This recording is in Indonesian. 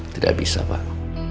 tidak bisa pak